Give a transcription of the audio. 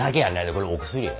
これお薬や。